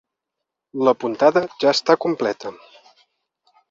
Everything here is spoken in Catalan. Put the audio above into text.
La puntada ja està completa.